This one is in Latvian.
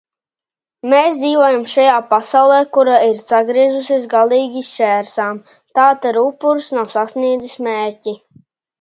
Mēs dzīvojam šajā pasaulē, kura ir sagriezusies galīgi šķērsām. Tātad upuris nav sasniedzis mērķi...